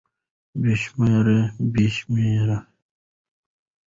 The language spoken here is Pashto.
بې شماره √ بې شمېره